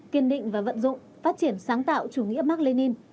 kiên định và vận dụng phát triển sáng tạo chủ nghĩa mark lenin